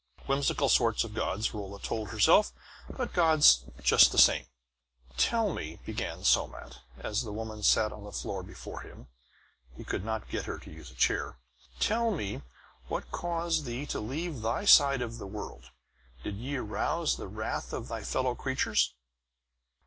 Whimsical sort of gods, Rolla told herself, but gods just the same. "Tell me," began Somat, as the woman sat on the floor before him he could not get her to use a chair "tell me, what caused thee to leave thy side of the world? Did ye arouse the wrath of thy fellow creatures?"